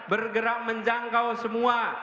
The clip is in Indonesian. bergerak menjangkau semua